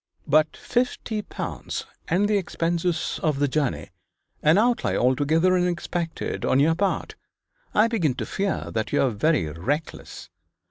'But fifty pounds and the expenses of the journey; an outlay altogether unexpected on your part. I begin to fear that you are very reckless.